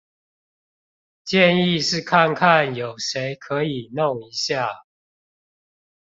建議是看看有誰可以弄一下